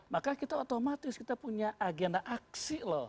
maka kita otomatis kita punya agenda aksi loh